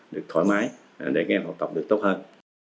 được thoải mái để các em học tập được tốt hơn